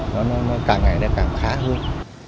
càng ngày này càng khá hơn